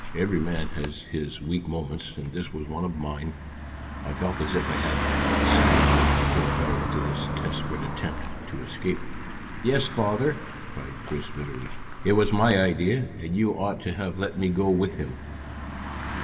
Every man has his weak moments, and this was one of mine. I felt as if I had sacrificed the poor fellow to this desperate attempt to escape." "Yes, father," cried Chris bitterly. "It was my idea, and you ought to have let me go with him."